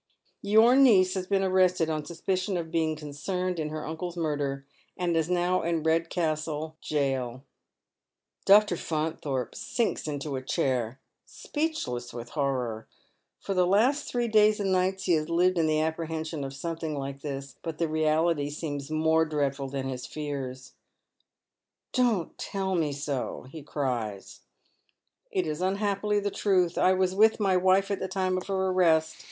Your niece has been arrested on suspicion of being concerned in her ancle's murder, and is now in Eedcastle gaol." Dr. Faunthorpe sinks into a chair, speechless with horror. For the last three days and nights he has lived in the apprehen sion of sometliing like this, but the reality seems more dreadful than his fears. " Don't tell me so," he cries. " It is unhappily the ti'uth. I was with my wife at the time of her arrest.